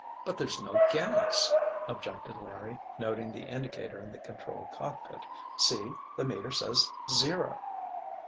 "But there's no gas," objected Larry, noting the indicator in the control cockpit. "See, the meter says zero!"